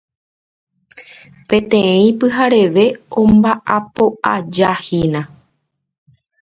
Peteĩ pyhareve omba'apo'ajahína